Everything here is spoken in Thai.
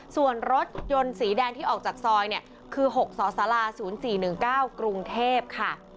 ส่วนรถยนต์สีแดงที่ออกจากซอยเนี่ยคือ๖สส๐๔๑๙กรุงเทพค่ะ